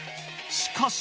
しかし。